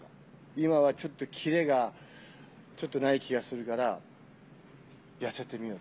今はちょっとキレがちょっとないような気がするから、痩せてみよう。